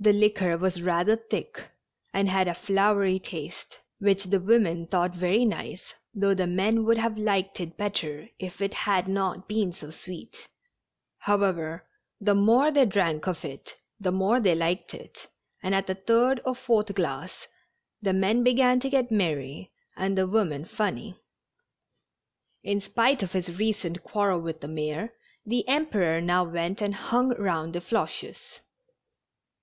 The liquor was rather thick, and had a flowery taste, which the women thought very nice, though the men would have liked it better if it had not been so sweet. However, the more they drank of it the more they liked it, and at the third or fourth glass the men began to get merry, and the women funny. In spite of his recent quarrel with the mayor, the Emperor now went and hung round the Floches.